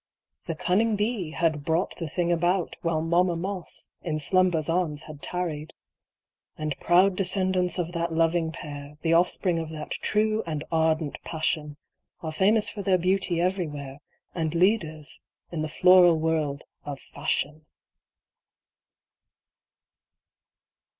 The cunning bee had brought the thing about While Mamma Moss in Slumber's arms had tarried. And proud descendants of that loving pair, The offspring of that true and ardent passion, Are famous for their beauty everywhere, And leaders in the floral world of fashion.